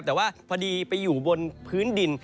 แต่ว่าพอดีไปอยู่บนพื้นดิน